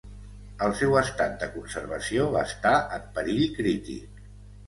El seu estat de conservació està en perill crític.